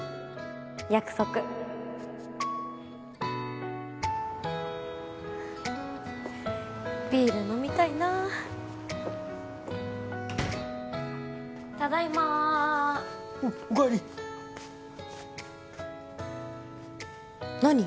約束ビール飲みたいなただいまおっお帰り何？